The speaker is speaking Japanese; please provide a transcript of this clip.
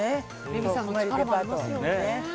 レミさんの力もありますよ。